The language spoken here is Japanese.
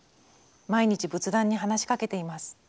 毎日仏壇に話しかけています。